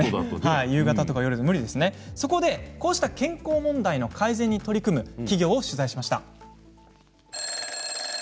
こうした健康問題の改善に取り組む企業を取材しました。